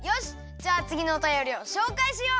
じゃあつぎのおたよりをしょうかいしよう。